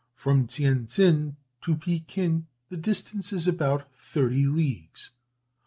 From Tien tsin to Pekin the distance is about thirty leagues.